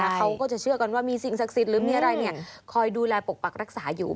เขาก็จะเชื่อกันว่ามีสิ่งศักดิ์สิทธิ์หรือมีอะไรคอยดูแลปกปักรักษาอยู่